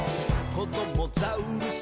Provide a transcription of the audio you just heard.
「こどもザウルス